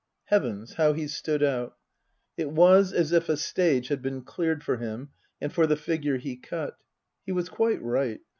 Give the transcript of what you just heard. Heavens, how he stood out ! It was as if a stage had been cleared for him, and for the figure he cut. He was quite right.